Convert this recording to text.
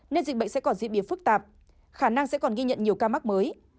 nên dịch bệnh sẽ còn diễn biến phức tạp khả năng sẽ còn ghi nhận nhiều ca mắc mới